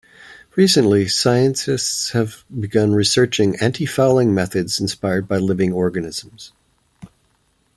Recently, scientists have begun researching antifouling methods inspired by living organisms.